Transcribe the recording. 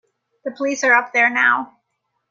The police are up there now.